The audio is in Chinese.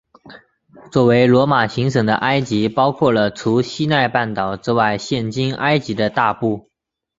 作为罗马行省的埃及包括了除西奈半岛之外现今埃及的大部。